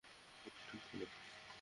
Hook ঠিক করো।